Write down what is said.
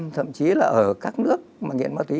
thậm chí là ở các nước mà nghiện ma túy